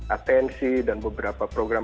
atnc dan beberapa program